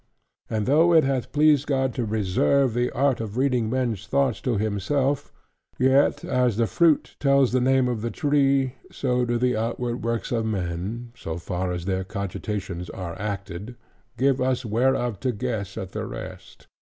And though it hath pleased God to reserve the art of reading men's thoughts to himself: yet, as the fruit tells the name of the tree; so do the outward works of men (so far as their cogitations are acted) give us whereof to guess at the rest.